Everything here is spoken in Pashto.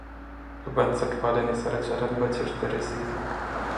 له بنسټپالنې سره چلند به چېرته رسېږي.